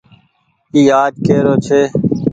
اي آج ڪي رو ڇي۔